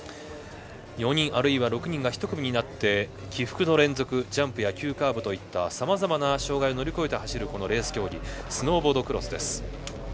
４人あるいは６人が１組になって起伏の連続ジャンプや急カーブといったさまざまな障害を乗り越えて走るこのレース競技スノーボードクロスです。